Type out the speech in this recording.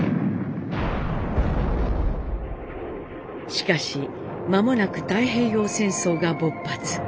しかし間もなく太平洋戦争が勃発。